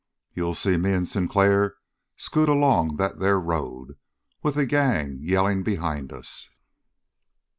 You'll see me and Sinclair scoot along that there road, with the gang yellin' behind us!"